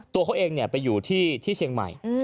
ตัวเขาเองเนี่ยไปอยู่ที่ที่เชียงใหม่อืม